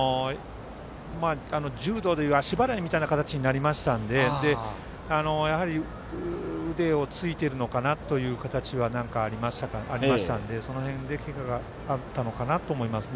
柔道でいう足払いみたいな感じになりましたので腕をついているのかなという形はありましたのでその辺でけががあったのかなと思いますね。